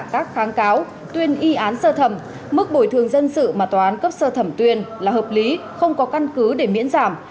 các kháng cáo tuyên y án sơ thẩm mức bồi thường dân sự mà tòa án cấp sơ thẩm tuyên là hợp lý không có căn cứ để miễn giảm